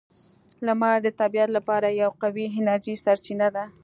• لمر د طبیعت لپاره یوه قوی انرژي سرچینه ده.